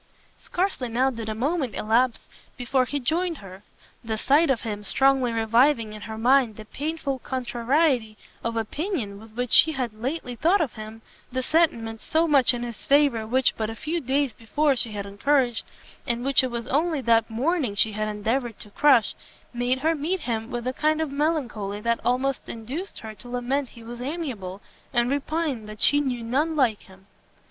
Scarcely now did a moment elapse before he joined her. The sight of him, strongly reviving in her mind the painful contrariety of opinion with which she had lately thought of him, the sentiments so much in his favour which but a few days before she had encouraged, and which it was only that morning she had endeavoured to crush, made her meet him with a kind of melancholy that almost induced her to lament he was amiable, and repine that she knew none like him.